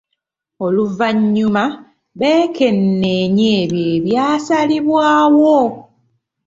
Oluvanyuma bekeneenya ebyo ebyasalibwawo.